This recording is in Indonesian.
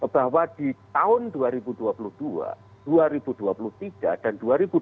bahwa di tahun dua ribu dua puluh dua dua ribu dua puluh tiga dan dua ribu dua puluh empat